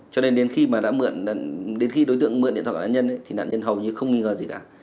cho nên đến khi mà đã đến khi đối tượng mượn điện thoại của nạn nhân thì nạn nhân hầu như không nghi ngờ gì cả